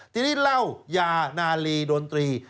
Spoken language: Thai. ทีนี้เหล้ายานาลีดนตรี